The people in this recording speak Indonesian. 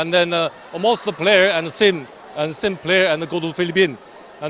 dan kemudian sama pemain dan kembali ke filipina